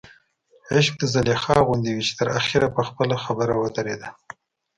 عشق د زلیخا غوندې وي چې تر اخره په خپله خبر ودرېده.